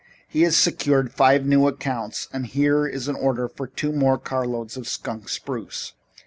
"He has secured five new accounts and here is an order for two more carloads of skunk spruce.